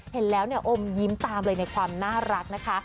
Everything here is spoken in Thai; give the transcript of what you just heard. เห็นแล้วเนี่ยอมยิ้มตามเลยในความน่ารักนะคะ